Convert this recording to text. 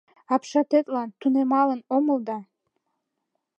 Апшатетлан тунемалын омыл да